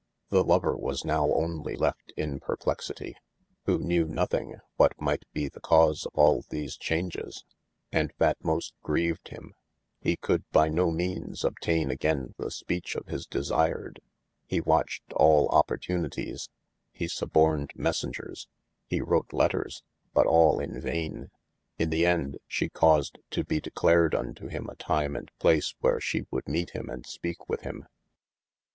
The Lover was nowe onelye left in per plexitie, who knewe nothing what might be the cause of all these chaunges, and that most greeved him, he could by no meanes optaine againe the speach of his desired: he watched all opportunities, hee suborned messengers, hee wroote letters, but all in vaine. In the ende she caused to bee declared unto him a time and place where she woulde meete him and speake with him.